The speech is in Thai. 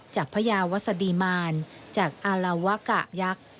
พระยาวัสดีมารจากอาลาวะกะยักษ์